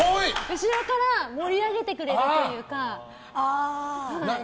後ろから盛り上げてくれるというか。